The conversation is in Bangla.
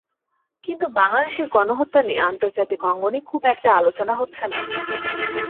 কিন্তু বাংলাদেশের গণহত্যা নিয়ে আন্তর্জাতিক অঙ্গনে খুব একটা আলোচনা হচ্ছে না।